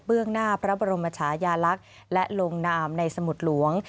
หน้าพระบรมชายาลักษณ์และลงนามในสมุดหลวง